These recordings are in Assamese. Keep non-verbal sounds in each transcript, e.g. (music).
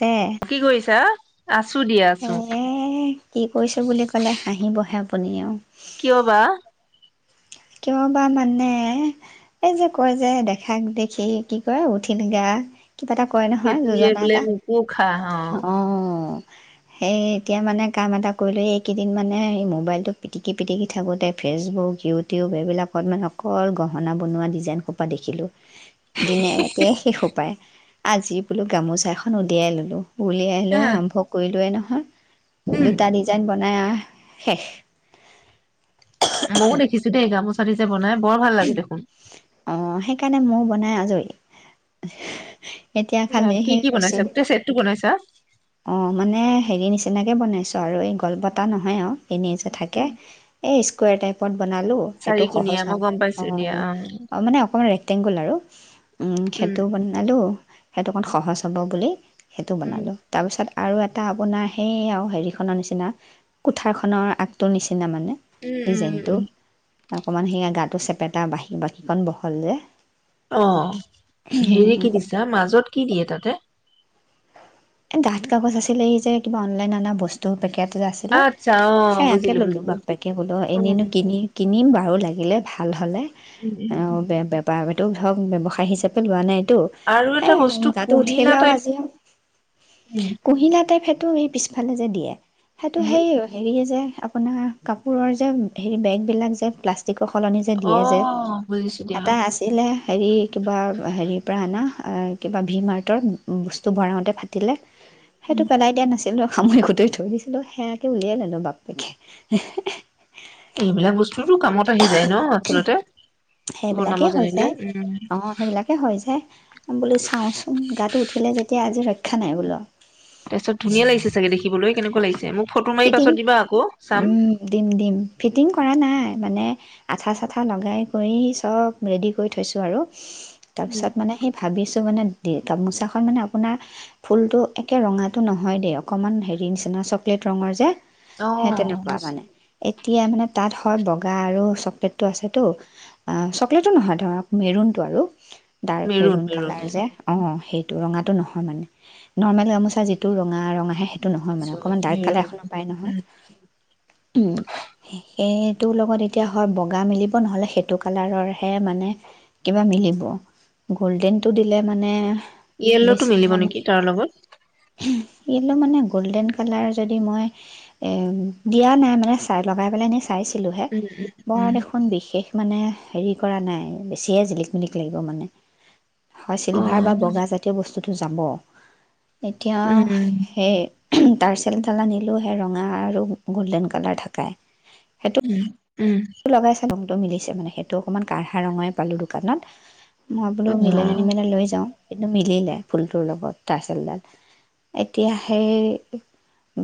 তে কি কৰিছা? আছো দিয়া আছো। এ কি কৰিছো বুলি ক'লে আহিবহে আপুনি আৰু কিয় বা কিয় বা মানে এই যে কয় যে দেখাক দেখি কি কয় উঠিল গা কিবা এটা কয় নহয় সেইটোৱে যোজনা বোলে এটা মোকো খা অ সেই এতিয়া মানে কাম এটা কৰিলো এইকেইদিন মানে সেই মোবাইলটো পিটিকি পিটিকি থাকোঁতে ফেচবুক ইউত ইউটিউব এইবিলাকত মানে অকল গহনা বনোৱা ডিজাইন খোপা দেখিলোঁ দিনে ৰাতিয়ে সেইসোপাই আজি বোলো গামোচা এখন উলিয়াই ললো উলিয়াই লৈ আৰম্ভ কৰিলোৱেই নহয় হয় উম দুটা ডিজাইন বনাই মানে শেষ মোও দেখিছো দেই গামোচা চাৰিতে বলে (unintelligible) বৰ ভাল লাগে দেখোন হে আজৰি এতিয়া ন খালি কি সেই কি ৰছী বনাইছা গোটে চেটটো বনাইছা অ মানে হেৰি নিচিনাকে বনাইছো আৰু এই গলপটা নহয় আৰু এনেই যে থাকে এই স্ৱয় টাইপত (unintelligible) বনালো সেইটো সহজ চাৰিকুণীয়া মই হ'ব গম অ পাইছো দিয়া অ মানে অকমান টেংগোল আৰু উম সেইটো বনালো সেইটো অকণ সহজ হ'ব বুলি সেইটো উম বনালোঁ তাৰপিছত আৰু এটা আপোনাৰ সেই আৰু হেৰি খনৰ নিচিনা কুঠাৰ খনৰ আগটোৰ নিচিনা নিচিনা মানে উম উম ডিজাইনটো উম অকণমান সেয়া গাটো চেপেটা বা বাকীকণ বহল যে অ হেৰি কি দিছা মাজত কি দিয়ে তাতে এ দাঠ কাগজ আছিলে এই যে কিবা অনলাইন ননা বস্তু বাপেকে এ যে আছিলে আচ্ছা অ সেয়াকে বুজিলো ললো বুজিলো। বাপেকে বোলো উম এনেইনো কিনি কিনিম বাৰু লাগে লাগিলে ভাল হ'লে উম অ উম বে বেপাৰ কৰি ধৰক ব্যৱসায় হিচাপে লোৱা নাই তটো আৰু এটা সেই বস্তু গাতো উঠ কুহিলা লাও টাইপ আজিও উম কুহ ন টাইপেতটো সেই পিছফালে যে দিয়ে সেইটো উম সেই হেৰিয়ে যে আপোনাৰ কাপোৰৰ যে হেৰি বেগবিলাক যে প্লাষ্টিক সলনি যে অ দিয়ে যে বুজিছো দিয়া। এটা আছিলে হেৰি কিবা হেৰিৰ পৰা অনা কিবা ভি মাৰ্টৰ বস্তু বৰাওঁতে তিিলে উম সেইটো পেলাই দিয়া নাছিল ৰ সামৰি খোতেই ধৰিছিলো সেয়াকে উলিয়াই ললো বাপ পেকে এইবিলাক বস্তুতটো কামত আহি যায় ন আচলতে বনাব সেইবিলাকেই হৈ জানিলে যায় উ বুলি চাও চোন গাটো উঠিলে যেতিয়া আজি শ্ষা নাই বোলা (unintelligible) তাৰ পিছত ধুনীয়া লাগিছে চাগে দেখিবলৈ কেনেকুৱা লাগিছে মোক ফটো মাৰি ফিটিং পাছত দিবা আকৌ চাম উম দিম দিম ফিটিং কৰা নাই মানে আঠা চাঠা লগাই কৰি চব ৰেডি কৰি থৈছোঁ আৰু তাৰ উম পিছত মানে সি ভাবিছো মানে গামোচাখন মানে আপোনাৰ ফুলটো একে ৰঙাটো নহয় দেই অকণমান হেৰি নিচিনা চকলেট ৰঙৰ যে অ সেই তেনেকুৱা মানে এতিয়া মানে তাত হয় বগা আৰু চকলেটটো আছেতো চকলেটটো নহয় ধৰ মেৰুণতটো আৰু ডাৰ্ক মেৰুন কালাৰ যে অ সেই এইটো ৰঙাটো নহয় মানে নৰ্মেল গামোচা যিটো ৰঙা ৰঙা আহে সেইটো নহয় মানে অকমান ডাৰ্ক মেৰুন কালাৰখনৰ পায় নহয় উম সেই সটোৰ লগত এতিয়া হয় বগা মিলিব নহ'লে সেইটো কালাৰৰহে মানে কিবা মিলিব গল্ডেনটো দিলে মানে ইয়েল্লোতটো বেছি মিলিব নেকি ল ইয়লো মানে গ'ল্ডেন কালাৰ যদি মই দিয়া নাই মানে চাই লগাই পেলাই নি চাইছিলোঁহে উম বৰা উম দেখোন বিশেষ মানে হেৰি কৰা নাই বেছিয়ে জিলিক মিলিক লাগিব মানে হয় উম অ চিল্ভাৰ বা বগা জাতীয় বস্তু টো যাব এতিয়া উম সেই তাৰ্চেলডাল আনিলেও সেই ৰঙা আৰু গল্ডেন কালাৰ থাকে উম! উম লগাইছা নে, টো মিলিছে মানে সেইটো অকণমান কাঢ়া ৰঙাই পালো দোকানত মই অ বোলো মিলেনে নিমিলে লৈ যাওঁ এইটো মিলিলে ফুলটোৰ লগত তাঁচেলডাল এতিয়া সেই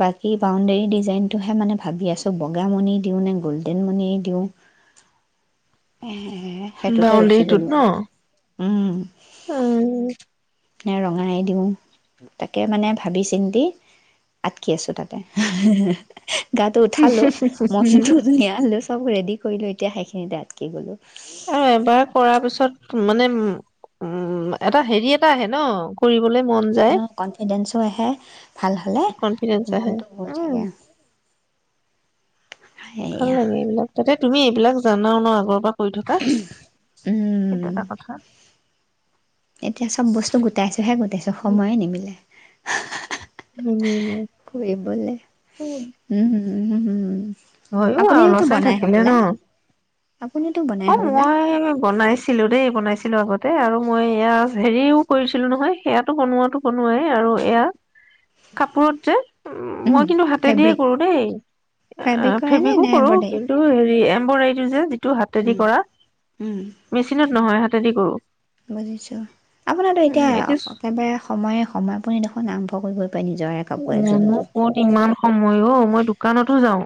বাকী বাউণ্ডেৰী ডিজাইনটোহে মানে ভাবি আছো বগা মণি দিওঁ নে গল্ডেন মণি, তেওঁ এ সেইটোতে ৰখি গলো। উওম অ' নে ৰঙাই দিওঁ তাকে মানে ভাবি চিন্তি আটকি আছো তাতে, গাটো উঠালো মনটো নিয়ালো চব ৰেডি কৰিলো এতিয়া সেইখিনিতে আটকি' গলোঁ। আৰু এবাৰ কৰাৰ পিছত মানে উ উম এটা হেৰি এটা আহে ন কৰিব, অ' কনফিডেন্ হে ভাল হ'লে কনফিডেন্স আহে মনটো ভৰি উম থাকে ভাল এয়া লাগে এইবিলাক তাতে তুমি এইবিলাক জানাওঁ ন আগৰ পা? কৰি থকা সেইটো উম এটা কথা। এতিয়া চব বস্তু গোটাইছোহে গোটাইছো সময়ে নিমিলে। নিমিলে কৰিবলৈ উম। (unintelligible) হয়ো, আৰু ল'ৰা আপুনিওতো ছোৱালী বনাই থাকিলে হ'বলা ন, আপুনিতো বনাই অ', হ'বলা মই বনাইছিলো দেই বনাইছি বনইছিলো আগতে আৰু মই এয়া হেৰিও কৰিছিলো নহয়, সেয়াতো বনোৱাতো বনোৱাই আৰু এয়া কাপোৰত যে উম, মই কিন্তু হাতে দিয়ে কৰো দেই। অ', ফেব্ৰিক কৰে নে ফেব্ৰিকো নে কৰো এম্ব্ৰইডাৰী কিন্তু হেৰি এম্বডাৰী যে, যিটো হাতেদি উম, কৰা মেচিনত নহয়, হাত (unintelligible) কৰো। বুজিছো আপোনাটো এতিয়া একেবাৰে সময়ে সময় আপুনি দেখোন আৰম্ভ কৰিবই পাৰে নিজৰে কাপোৰ এযোৰ অ', মোক দুযোৰ ক'ত ইমান সময় ঔ, মই দোকানতো যাওঁ।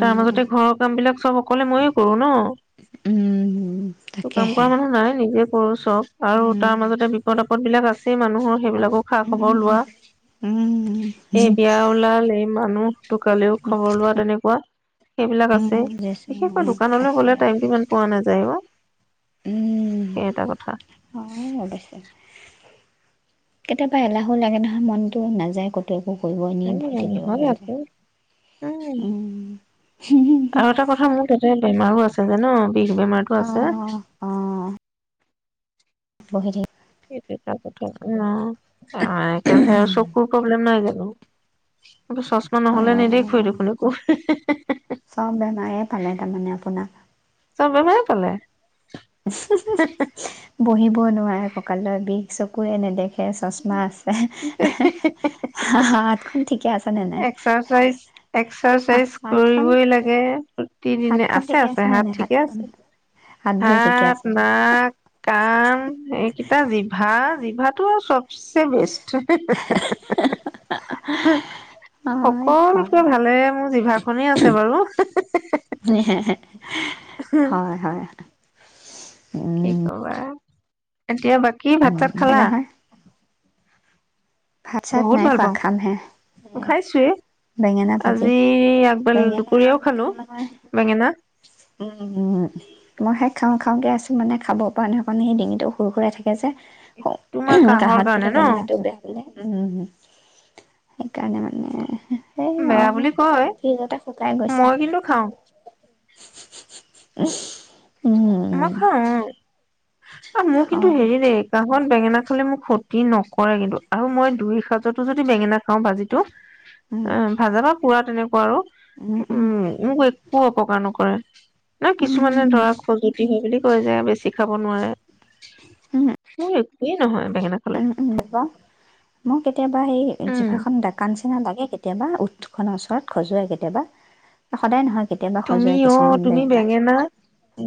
তাৰ মাজতে ঘৰৰ কাম বিলাক চব অকলে ময়ে কৰো ন? কাম তাকেহে কৰা মানুহ নাই নিজে (unintelligible) তক আৰু উম, তাৰ মাজতে বিপদত ত বিলাক আছে মানুহৰ সেইবিলাকো খা খবৰ উম, লোৱা উম, এই বিয়া ওলাল এই মানুহ তটো কালেও খবৰ লোৱা তেনেকুৱা। সেইবিলাক উম, আছে বুজিছো বিশেষকৈ দোকানলৈ আছে। গ'লে টাইমটো ইমান পোৱা নাযায় বা উম, সেই এটা কথা। হয় অৱশ্যে কেতিয়াবা এলাহো লাগে নহয় মনটো নাযায় ক'তো। একো কৰিব নি ভৰি থাকিব মন হয় যায়। আকৌ উম, আৰু এটা কথা মোৰ তাতে বে মাহো আছে যে ন'। পিক বেমটো আছে। অঁ অঁ বহি থাকি (unintelligible) কথা। কেল আৰু চকুৰ প্ৰব্লেম নহয় গ এইবটো চচমা নহলে নেদেখোৱে অঁ দেখোন এক একো। চব বেমাৰ পালে তাৰমানে আপোনাক। চব বেমাৰে পালে। বহিবও নোৱাৰে, ককালৰ বিষ। চকুৱে নেদেখ এ‌ চচমা আছে খন ঠিকে আছ এক্সাৰচাইজ, এক্সাৰচাইজ হাতখন কৰিবই লাগে তিদিনে, হাতখন আছে ঠিকে আছে, নে হাত নাই ঠিকে হাতখন আছে। ভৰি ঠিকে হাত, আছে নাক, কাণ এইকেইটা জিভা জিভাটো আৰু চবচে বেষ্ট। (inaudible) হয় হয় সকলোতকৈ ভালেৰে মোৰ জিভাখনেই আছে বাৰু হয় হয় কি কবা এতিয়া বাক কি ভাত চাত খালা? নহয় ভাত চাত বহুত নাই ভাল খোৱা পাওঁ। খামহে অ খাইছোৱে। বেঙেনা ভাজি আজি আগবেল বেঙেনা দুপৰীয়াও মানে খালোঁ, মই বেঙেনা। মই সেই খাওঁ খাওঁকে আছোঁ মানে, খাব পৰা নাই, অকন এই ডিঙিটো সুৰ- সুৰাই থাক আছে, তোমাৰ কাহৰ কাহত বোলে কাৰণে ন বেঙেনাটো বেয়া। উম সেইকাৰণে মানে সেই বেয়া আৰু বুলি কয়, ফ্ৰিজতে মই কিন্তু খাওঁ। (unintelligible) উহ মই খাওঁ ওম। অ মোৰ কিন্তু হয়, হেৰি দেই অকল বেঙেনা খালে মোক ক্ষতি নকৰে কিন্তু আৰু মই দুই সাঁজতো যদি বেঙেনা খাওঁ ভাজিটো উম, অ ভাজনত পুৰা তেনেকা উম মোক একো অপকাৰ নকৰে এই কিছুমানে উম, ধৰা জুতি হয় বুলি কয় যে বেছি খাব নোৱাৰে উম, শ সে নহয়। বেঙেনা খালে উম উম দেৱা মোৰ কে কেতিয়াবা এই উম জিভাখন ডাকা নিচিনা লাগে কেতিয়াবা উঠখনৰ ওচৰত খজুৱাই কেতিয়াবা সদায় নহয় কেতিয়াবা তুমি খজুৱাই অ কিছুমান তুমি বেঙেনা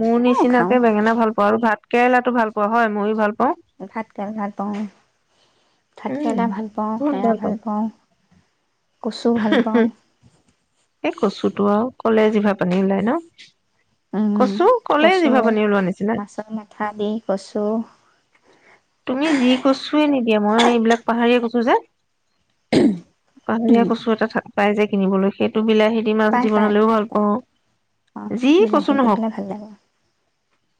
মোৰ তেও খাওঁ নিচিনাকে বেঙেনা ভাল পাওঁ আৰু ভাত কেৰেলাটো ভাল পা পোৱা হয় মইয়ো ভাল পাওঁ ভাত কেৰেলা ভালপাওঁ, ভাত উম কেৰেলা ভাল পাওঁ। সেয়া ভাল পাওঁ। কচু ভাল পাওঁ, এই কচুটো আৰু কলে জিভা পানী ওলাই ন উম কচু ক'লে কচু জিভা পানী ওলোৱা নিচিনা মাছৰ মাথা দি কচু তুমি যি কচুৱেই নিদিয়া মই এইবিলাক পাহাৰীয়া কচু যে পাহাৰীয়া উম, কচু এটা পাই যায় কিনিবলৈ সেইটো বিলাহী মাছ দি পায়, পায়, বনালেও পায়, ভাল পায়, পাওঁ অ', যি কচু বিলাহী দি নহওঁক। পেলাই ভাল লাগে।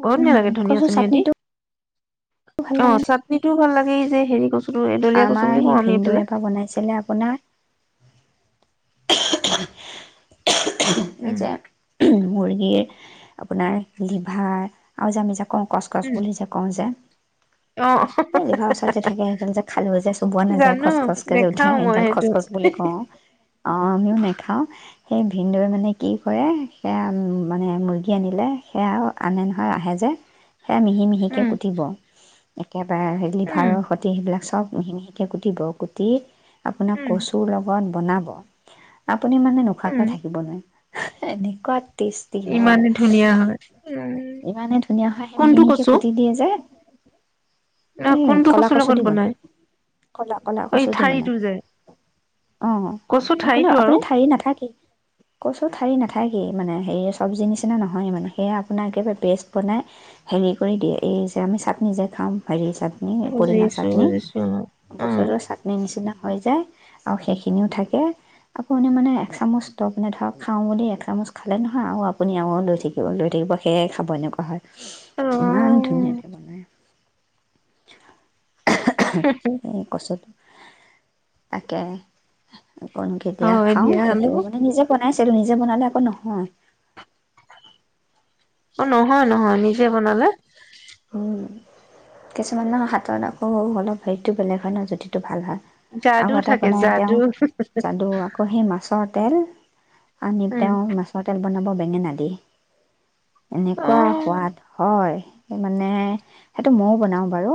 বৰ ধুনীয়া উম লাগে ধনিয়া কচু চনিয়া দি চাটনিটো ভাল অ লাগে ন চাটনি টোও ভাল লাগ সেইযে হেৰি কচু কচুটো এডলীয়া আমাৰ বুলি কওঁ সেই আমি ভিনদেউৱে এইফালে এবাৰ বনাইছিলে আপোনাৰ (unintelligible) এই উম যে মুৰ্গীৰ আপোনাৰ লিভাৰ, আৰু যে, আমি যে কওঁ কচ কচ উম বুলি যে কওঁ যে! অ এ জিভাৰ ওচৰত যে, থাকে সেইডাল যে, খালেও যে, চুবোৱা নাযায় জানো খচ খচকে যে উঠে। নেখাও মই সেইডাল সেইটো খচ খচ বুলি কওঁ। আমিও নেখাওঁ। সেই ভিনদৌৱে মানে কি কৰে, সেয়া মানে, মুৰ্গী আনিলে সেয়া আনে নহয় আহে যে সেয়া, মিহি মিহিকে উম কুটিব। অ'কে! কেতিয়বাৰে উম লিভাৰৰ সতি সেইবিলাক চব মিহি মিহিকে কুটিব কুটি আপোনাৰ উম কচুৰ লগত বনাব। আছ আপুনি মানে, উম নোখোৱাকৈ থাকিব নোৱাৰে? এনেকুৱাত টেষ্টি হয়। ইমানে ধুনীয়া হয় উম ইমানে ধুনীয়া হয়! সি মিহি কোনটো মিহিকে কচু কুটি দিয়ে যে। নহ এ' কোনটো ক'লা কচুৰ লগত কচুদি বনাই। ক'লা, ক'লা, এই কচুদি বনাই ঠাৰিটো যে অ'। কচু একো ঠাৰিটো নহয়, আৰু আপুনি ঠাৰি নাথাকে, কঁচো ঠাৰি নাথাকে। মানে হেৰি চব্জি নিচিনা নহয় মানে সেয়ে আপোনাক একেবাৰে পেষ্ট বনাই হেৰি কৰি দিয়ে এই যে আমি চাটনি যে খাম হেৰি। চাটনি, পদিনা বুজিছো চাটনি, বুজিছো অ বছৰটোৰ চাটনি নিচিনা। হৈ যায় আৰু সেইখিনিও থাকে। আপুুনি মানে, এক চামুচ মানে ধৰক খাওঁ বুলি এক চামুচ খালে নহয় আৰু আপুনি আৰু লৈ থাকিব লৈ থাকিব, সেয়াই খাব এনেকুৱা হয়। ইমান ধুনীয়াকে অ', বনায়! এই কচুটো তাকে কোন, কেতিয়া, হয় খাওঁ, দিয়া সেইটো হেল্ল' মানে নিজে চাইছিলো, নিজে বনালে আকৌ নহয়। অ' নহয়, নহয় নিজে বনালে। উম, কিছুমানৰ হাতত আকৌ অলপ হেৰিটো, ষ বেলেগ হয়, ন যদিটো ভাল হয় যাদু আৰু এটা থাকে বনাই যাদু তেওঁ, যাদু আকৌ, সেই মাছৰ তেল আনি, উম, তেওঁ মাছৰ তেল বনাব। বেঙেনা দি। এনেকুৱা অ', সোৱাদ হয়! মানে, সেইটো মইও বনাওঁ বাৰু!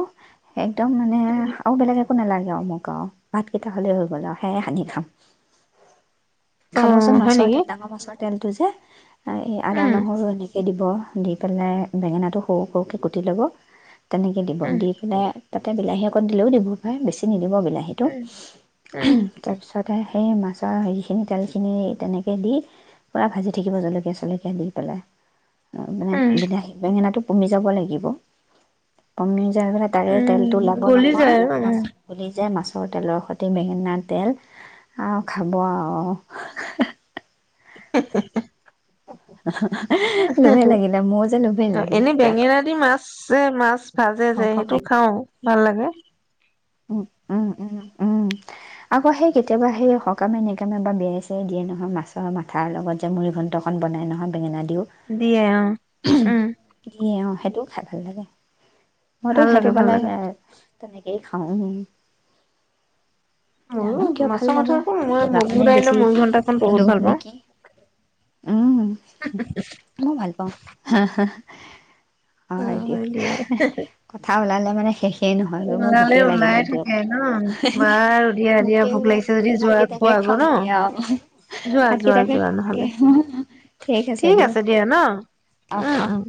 একদম মানে, আৰু বেলেগে একো নালাগে আৰু মোক আৰু ভাতকেইটা হ'লে হৈ গ'ল আৰু সেয়ে সানি খাম খাবচোন অ', হয় মছৰ নেকি? ডাঙৰ মাছৰ তেলটো যে এই আদা উম, নহৰু এনেকে স দিব দি পেলাই বেঙেনাটো সৰু সৰুকৈ কুটি ল'ব তেনেকৈ দিব উম, দি পেলাই তা বিলাহী অকণ দিলেও দিব পাৰে বেছি নিদিব সেইটো উম, উম, তাৰপিছ সেই মাছৰ হেৰিখিনি তেলখিনি তেনেকে দি পুৰা ভাজি থাকিব জলকীয়া জলকীয়া দি পেলাই মানে উম, বিলাহী বেঙেনাটো কমি যাব লাগিব (unintelligible) মানে তাৰে উম, তেলতটো লাব গলি নহয় যায় আৰু মাছ উম, প যোয় মাছ ৰ তেলৰ সৈতে বেঙেনা তেল খাব আৰু (unintelligible) লোভে লাগিলে মোৰ যে লোভে লাগিলে এনে এতিয়া বেঙেনা দি মাছ যে মাছ ভাজে খাওঁ যে খাওঁ সেইটো খাও ভাল লাগে উ উম উম উম আকৌ সেই কেতিয়াবা সেই সকামে নিকামে বা বিয়াই চাই দিয়ে নহয় মাছৰ মাথাৰ লগত যে মুৰি ঘন্টখনন বনাই নহয় বেঙেনা দিও দিয়ে অ উম দিয়ে অ সেইটোও খাই ভাল লাগে মইতো ভাল সেইটো লাগে ভাল পালে লাগে (unintelligible) খাওঁ জানো মইয় কিয় ভাল মাছৰ লাগে মথা আক মই মগুৰ জিভাখনেই দাইলৰ বেছি মগ ঘন্টাখন বহুত লোভ ভাল নেকি পাওঁ উম মই ভাল পাওঁ হা হ হয়, অ', দিয়ক। দিয়া। কথা ওলালে মানে শেষেই নহয় গে, মোৰ ওলালে ভোকেই লাগিলে ওলাই দিয়ক। থাকে ন বাৰু দিয়া দিয়া ভোকেই ভোক ওলাল লাগিছে যদি যোৱা ভাতকেইটাকে খোৱা আকৌ ন খামগে আৰু যোৱা যোৱা ভাতকেইটাকে যোৱা খামগে। নহলে ঠিক আছে দিয়ক অ উম অ উম